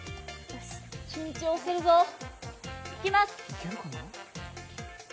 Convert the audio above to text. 緊張するぞ。いきます。